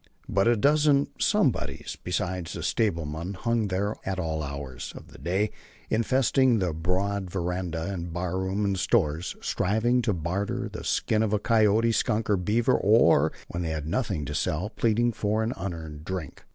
But a dozen "somebodies" besides the stablemen hung there at all hours of the day, infesting the broad veranda, the barroom and stores, striving to barter the skin of coyote, skunk or beaver, or, when they had nothing to sell, pleading for an unearned drink.